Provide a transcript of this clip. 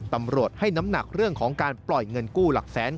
ตำรวจให้น้ำหนักเรื่องของการปล่อยเงินกู้หลักแสน